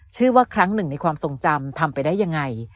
ชื่อว่าครั้งหนึ่งในความทรงจำทำไปได้ยังไง